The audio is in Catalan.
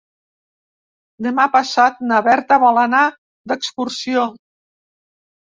Demà passat na Berta vol anar d'excursió.